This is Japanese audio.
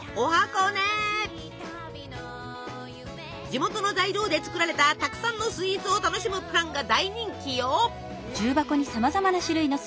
地元の材料で作られたたくさんのスイーツを楽しむプランが大人気よ！